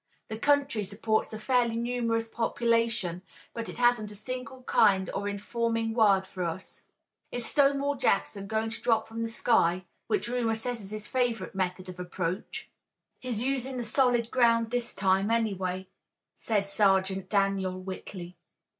The country supports a fairly numerous population, but it hasn't a single kind or informing word for us. Is Stonewall Jackson going to drop from the sky, which rumor says is his favorite method of approach?" "He's usin' the solid ground this time, anyway," said Sergeant Daniel Whitley.